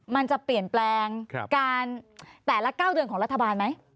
มันจะเปลี่ยนแปลงการแต่ละ๙เดือนของรัฐบาลไหม